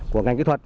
của ngành kỹ thuật